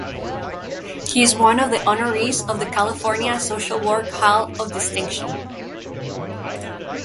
He is one of the honorees of the California Social Work Hall of Distinction.